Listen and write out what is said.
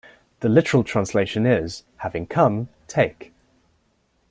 The literal translation is "having come, take".